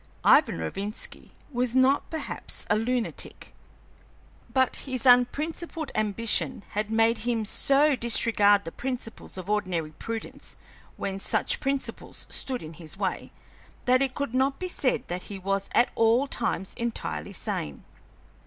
Ivan Rovinski was not perhaps a lunatic, but his unprincipled ambition had made him so disregard the principles of ordinary prudence when such principles stood in his way that it could not be said that he was at all times entirely sane.